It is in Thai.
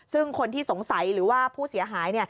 ซึ่งคนที่สงสัยหรือว่าผู้เสียหาย